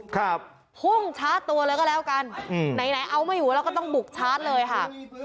ครับพุ่งช้าตัวเลยก็แล้วกันอืมไหนไหนเอาไม่อยู่แล้วก็ต้องบุกชาร์จเลยค่ะ